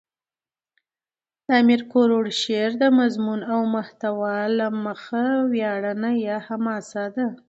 د امیر کروړ شعر دمضمون او محتوا له مخه ویاړنه یا حماسه ده.